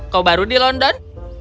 kau baru di london